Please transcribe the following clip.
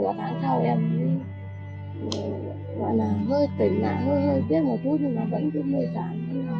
một tháng sau em gọi là hơi tỉnh lại hơi hơi tiếc một chút nhưng mà vẫn được mời sáng